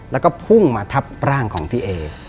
แล้วก็พุ่งมาทับร่างของพี่เอ